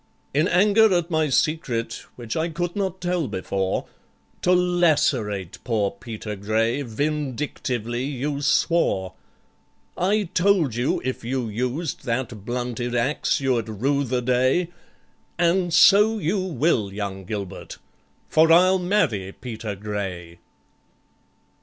"In anger at my secret (which I could not tell before), To lacerate poor PETER GRAY vindictively you swore; I told you if you used that blunted axe you'd rue the day, And so you will, young GILBERT, for I'll marry PETER GRAY!"